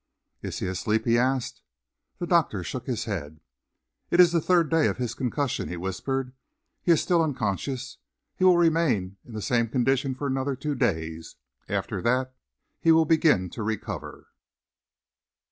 "Is he asleep?" he asked. The doctor shook his head. "It is the third day of his concussion," he whispered. "He is still unconscious. He will remain in the same condition for another two days. After that he will begin to recover."